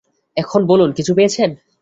এখন বলুন, কিছু পেয়েছেন?